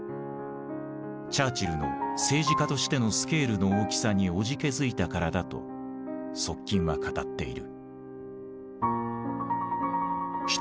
チャーチルの政治家としてのスケールの大きさにおじけづいたからだと側近は語っている。